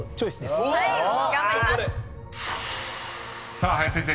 ［さあ林先生